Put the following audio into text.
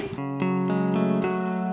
gara gara temen lu